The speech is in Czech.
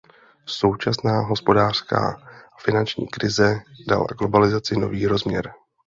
Současná hospodářská a finanční krize dala globalizaci nový rozměr.